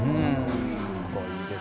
すごいですね。